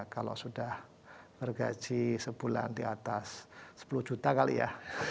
kalau sudah bergaji sebulan di atas sepuluh juta kali ya